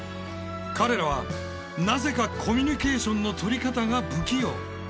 彼らはなぜかコミュニケーションのとり方が不器用。